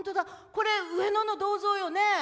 これ上野の銅像よね？